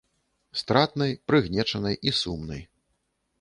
Стратнай, прыгнечанай і сумнай.